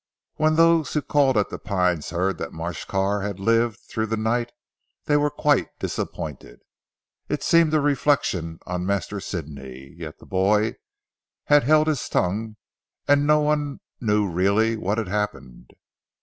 When those who called at 'The Pines' heard that Marsh Carr had lived through the night, they were quite disappointed. It seemed a reflection on Master Sidney. Yet the boy had held his tongue and no one knew really what had happened.